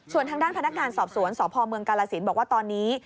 ส่วนทางด้านพนักงานสอบสวนสพเมืองกาลสินบอกว่าตอนนี้